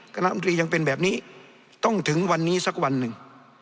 กรรมตรียังเป็นแบบนี้ต้องถึงวันนี้สักวันหนึ่ง